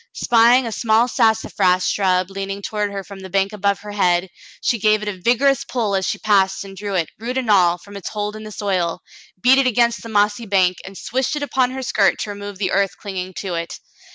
Spying a small sassafras shrub leaning toward her from the bank above her head, she gave it a vigorous pull as she passed and drew it, root and all, from its hold in the soil, beat it against the mossy bank, and swished it upon her skirt to remove the earth cling ing to it.